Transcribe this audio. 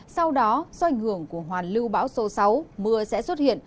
sau đó do ảnh hưởng của hoàn lưu bão số sáu mưa sẽ xuất hiện